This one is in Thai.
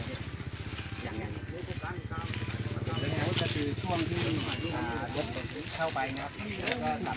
เป็นคนเป็นคนตอนนี้เขามาอยู่ของคนสุเรียน